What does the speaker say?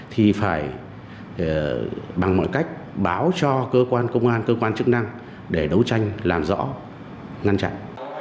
thì phải bằng mọi cách báo cho cơ quan công an cơ quan chức năng để đấu tranh làm rõ ngăn chặn